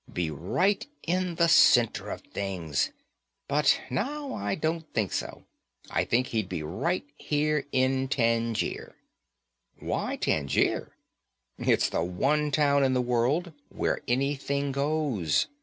Be right in the center of things. But now I don't think so. I think he'd be right here in Tangier." "Why Tangier?" "It's the one town in the world where anything goes.